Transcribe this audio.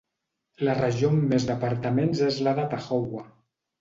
La regió amb més departaments és la de Tahoua.